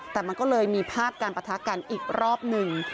แต่มันก็เลยมีภาพการปะทะกันอีกรอบหนึ่ง